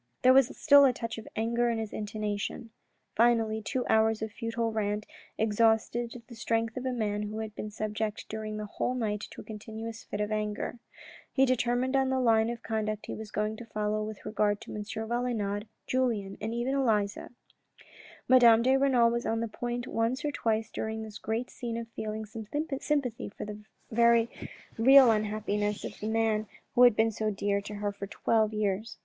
There was still a touch of anger in his intonation. Finally two hours of futile rant exhausted the strength of a man who had been subject during the whole night to a continuous fit of anger. He determined on the line of conduct he was going to follow with regard to M. Valenod, Julien and even Elisa. Madame de Renal was on the point once or twice during this great scene of feeling some sympathy for the very real unhappiness of the man who had been so dear to her for twelve years.